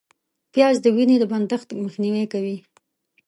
پیاز د وینې د بندښت مخنیوی کوي